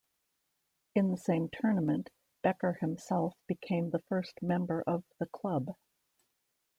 In the same tournament, Becker himself became the first member of the "club".